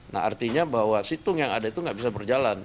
nah artinya bahwa situng yang ada itu nggak bisa berjalan